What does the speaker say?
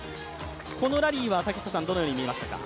このラリーはどのように見ましたか？